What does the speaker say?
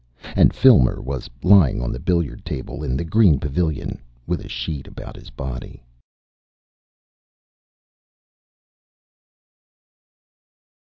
And Filmer was lying on the billiard table in the green pavilion with a sheet about his body.